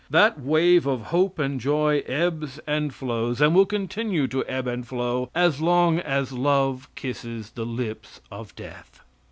That wave of hope and joy ebbs and flows, and will continue to ebb and flow as long as love kisses the lips of death.